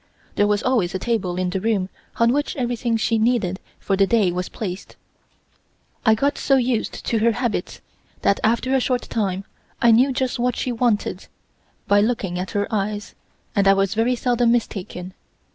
(There was always a table in the room, on which everything she needed for the day was placed.) I got so used to her habits that after a short time I knew just what she wanted by looking at her eyes, and I was very seldom mistaken.